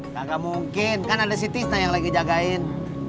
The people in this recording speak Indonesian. gak mungkin kan ada si tisna yang lagi jagain